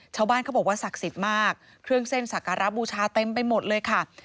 ชาวบ้านเขาบอกว่าศักดิ์สิทธิ์มากเครื่องเส้นสักการะบูชาเต็มไปหมดเลยค่ะ